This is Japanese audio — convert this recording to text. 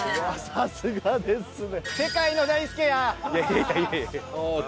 さすがですね。